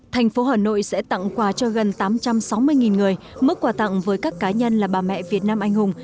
thành phố hà nội sẽ tặng quà cho gần tám trăm sáu mươi người mức quà tặng với các cá nhân là bà mẹ việt nam anh hùng